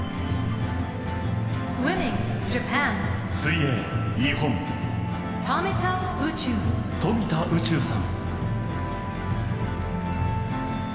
水泳日本、富田宇宙さん。